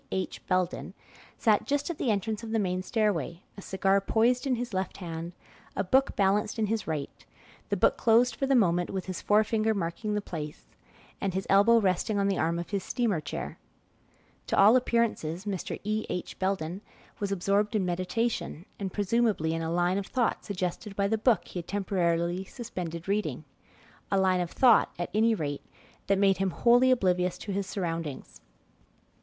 H. Belden, sat just at the entrance of the main stairway, a cigar poised in his left hand, a book balanced in his right; the book closed for the moment, with his forefinger marking the place, and his elbow resting on the arm of his steamer chair. To all appearances, Mr. E. H. Belden was absorbed in meditation, and presumably in a line of thought suggested by the book be had temporarily suspended reading a line of thought, at any rate, that made him wholly oblivious to his surroundings.